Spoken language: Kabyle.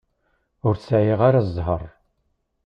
Ur sɛiɣ ara zzheṛ.